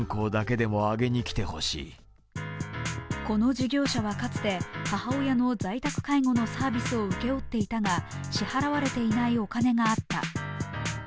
この事業者はかつて、母親の在宅介護のサービスを請け負っていたが支払われていないお金があった。